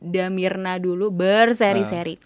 damirna dulu berseri seri